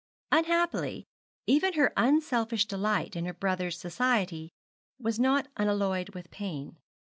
Unhappily, even her unselfish delight in her brother's society was not unalloyed with pain.